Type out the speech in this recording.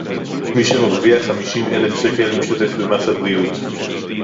מי שמרוויח חמישים אלף שקל משתתף במס הבריאות